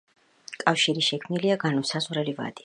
კავშირი შექმნილია განუსაზღვრელი ვადით.